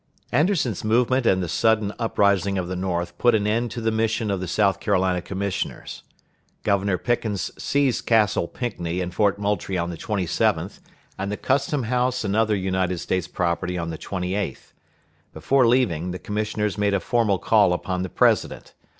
Anderson's movement and the sudden uprising of the North put an end to the mission of the South Carolina commissioners. Governor Pickens seized Castle Pinckney and Fort Moultrie on the 27th, and the custom house and other United States property on the 28th. Before leaving, the commissioners made a formal call upon the President.